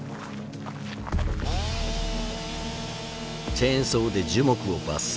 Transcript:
チェーンソーで樹木を伐採。